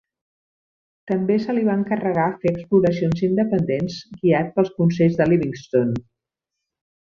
També se li va encarregar fer exploracions independents, guiat pels consells de Livingstone.